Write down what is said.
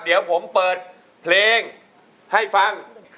เดี๋ยวผมเปิดเพลงให้ฟัง